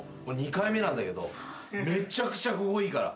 ２回目なんだけどめちゃくちゃここいいから。